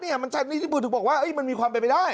คือมันชัดนี่มันมีความเป็นไปได้